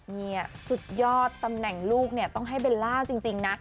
นี่สุดยอดตำแหน่งลูกเนี่ยต้องให้เบลล่าจริงนะ